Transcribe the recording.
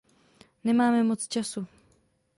Nemáme moc času.